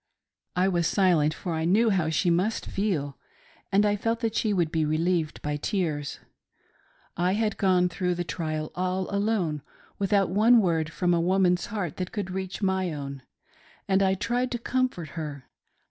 I was silent, for I knew how she must feel, and I felt that she would be relieved by tears. I had gone through the trial all alone, without one word from a woman's heart that could reach my own. And I tried to comfort her.